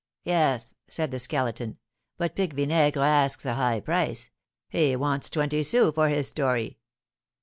"Yes," said the Skeleton; "but Pique Vinaigre asks a high price, he wants twenty sous for his story."